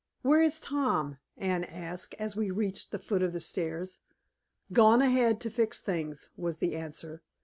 "Where is Tom?" Anne asked, as we reached the foot of the stairs. "Gone ahead to fix things," was the answer.